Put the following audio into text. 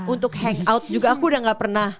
untuk hangout juga aku udah gak pernah